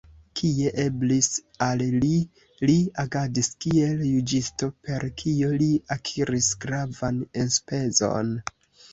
Kie eblis al li, li agadis kiel juĝisto, per kio li akiris gravan enspezon.